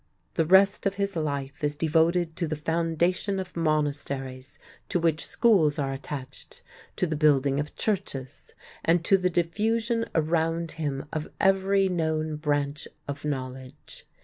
The rest of his life is devoted to the foundation of monasteries to which schools are attached, to the building of churches, and to the diffusion around him of every known branch of knowledge.